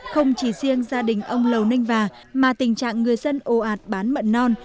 không chỉ riêng gia đình ông lầu ninh và mà tình trạng người dân ồ ạt bán mận non